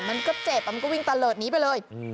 มันก็เจ็บมันก็วิ่งตะเลิศหนีไปเลย